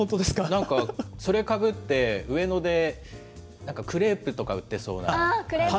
なんかそれかぶって、上野でなんかクレープとか売ってそうな。